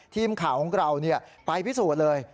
ทีมข่าวของเราไปพิสูจน์เลย